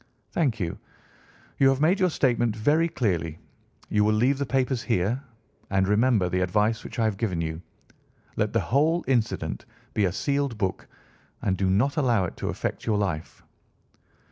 "Thank you. You have made your statement very clearly. You will leave the papers here, and remember the advice which I have given you. Let the whole incident be a sealed book, and do not allow it to affect your life."